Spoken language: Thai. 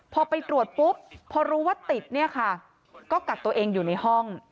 พอไปตรวจปุ๊บพอรู้ว่าติดเนี่ยค่ะก็กักตัวเองอยู่ในห้อง